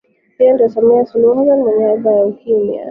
Huyu ndiyo Samia Suluhu Hassan mwenye haiba ya ukimya